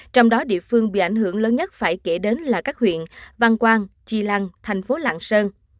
trong đó địa phương bị ảnh hưởng lớn nhất phải kể đến là các huyện văn quan chi lăng thành phố lạng sơn